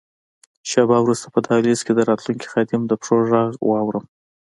شیبه وروسته په دهلېز کې د راتلونکي خادم د پښو ږغ واورم.